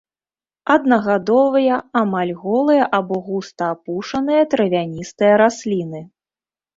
Аднагадовыя, амаль голыя або густа апушаныя травяністыя расліны.